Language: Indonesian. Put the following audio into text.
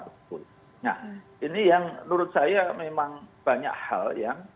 nah ini yang menurut saya memang banyak hal yang